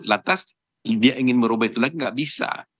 lantas dia ingin merubah itu lagi nggak bisa